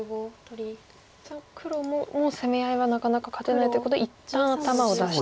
黒ももう攻め合いはなかなか勝てないということで一旦頭を出して。